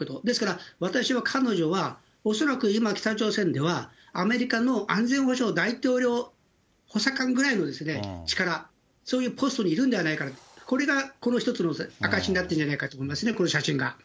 ですから、私は彼女は恐らく今、北朝鮮では、アメリカの安全保障大統領補佐官ぐらいの力、そういうポストにいるんではないかと、これが、この一つの証しになってるんじゃないかと思いますね、この写真が。